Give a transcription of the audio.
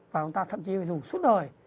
và chúng ta thậm chí phải dùng suốt đời